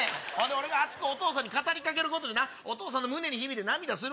俺が熱くお義父さんに語り掛けてお義父さんの胸に響いて涙する。